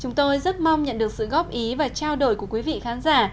chúng tôi rất mong nhận được sự góp ý và trao đổi của quý vị khán giả